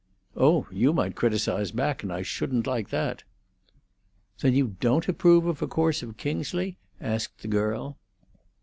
"Oh, you might criticise back, and I shouldn't like that." "Then you don't approve of a course of Kingsley?" asked the girl.